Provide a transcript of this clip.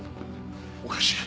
おかしい。